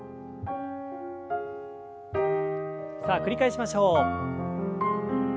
さあ繰り返しましょう。